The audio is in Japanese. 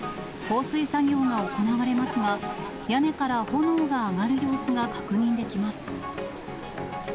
放水作業が行われますが、屋根から炎が上がる様子が確認できます。